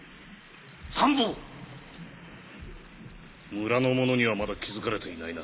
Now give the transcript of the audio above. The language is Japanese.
村の者にはまだ気づかれていないな？